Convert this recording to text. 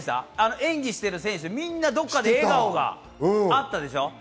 演技している選手、みんなどこかで笑顔があったでしょ？